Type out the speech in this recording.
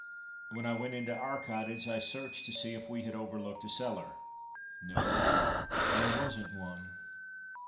When I went into our cottage I searched to see if we had overlooked a cellar. No, there wasn't one.